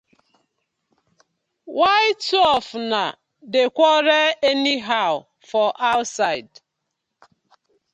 Why two of una dey quarel anyhow for ouside.